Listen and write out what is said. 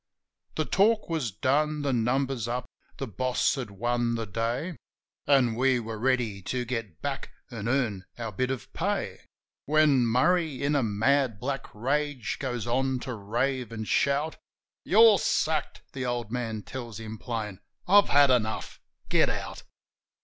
The talk was done, the numbers up, the boss had won the day. An' we were ready to get back an' earn our bit of pay; 72 JIM OF THE HILLS When Murray, in a mad black rage, goes on to rave an' shout. "You're sacked," the old man tells him plain. "I've had enough. Get out!"